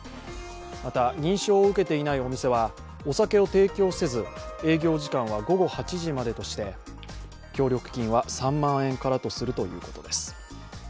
また、認証を受けていないお店はお酒を提供せず営業時間は午後８時までとして協力金は３万円からとするということです。